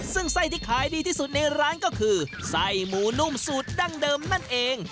ซึ่งไส้ที่ขายดีที่สุดในร้านก็คือไส้หมูนุ่มสูตรดั้งเดิมนั่นเอง